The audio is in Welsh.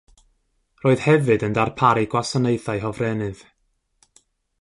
Roedd hefyd yn darparu gwasanaethau hofrennydd.